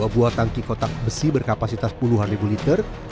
dua buah tangki kotak besi berkapasitas puluhan ribu liter